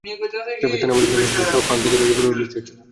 স্থানীয় বাসিন্দা সূত্রে জানা গেছে, সকাল থেকে গুঁড়ি গুঁড়ি বৃষ্টি হচ্ছিল।